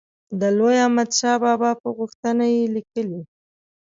د لوی احمدشاه بابا په غوښتنه یې لیکلی.